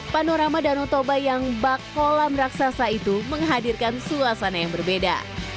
panorama danau toba yang bak kolam raksasa itu menghadirkan suasana yang berbeda